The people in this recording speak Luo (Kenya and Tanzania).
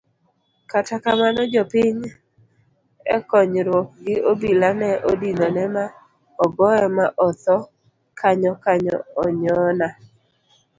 Kata kamano jopiny ekonyruok gi obila ne odinone ma ogoye ma othoo kanyokanyo onyona